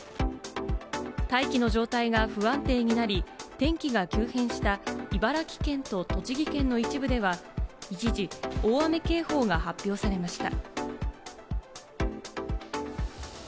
大気の状態が不安定になり、天気が急変した茨城県と栃木県の一部では、一時、大雨警報が発表されました。